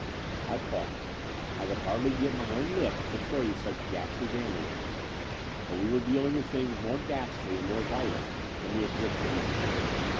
I paused. I could hardly get my own lips to phrase such ghastly vandalism : but we were deal ing with things more ghastly and more vital than mere bricks and mortar.